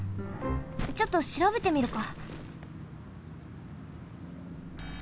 ちょっとしらべてみるか。